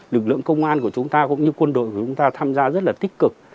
lực lượng công an của chúng ta cũng như quân đội của chúng ta tham gia rất là tích cực